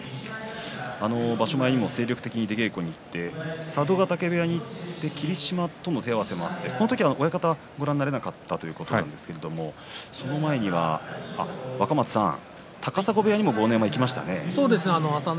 場所前にも精力的に出稽古に行って佐渡ヶ嶽部屋に行って霧島との手合わせ、その時は親方ご覧になれなかったということですが若松さん、高砂部屋にも豪ノ山行きましたね。